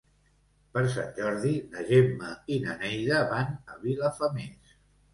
Per Sant Jordi na Gemma i na Neida van a Vilafamés.